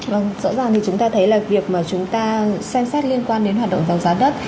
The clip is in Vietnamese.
vâng rõ ràng thì chúng ta thấy là việc mà chúng ta xem xét liên quan đến hoạt động giảm giá đất